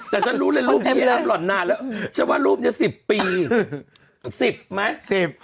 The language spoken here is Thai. แต่ฉันรู้เลยรูปนี้ทำหล่อนนานแล้วฉันว่ารูปนี้๑๐ปี๑๐ไหม